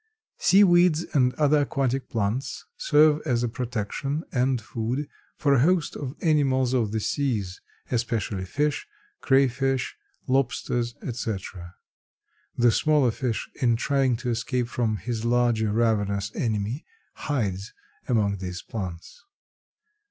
Sea weeds and other aquatic plants serve as a protection and food for a host of animals of the seas; especially fish, cray fish, lobsters, etc. The smaller fish in trying to escape from his larger, ravenous enemy hides among these plants.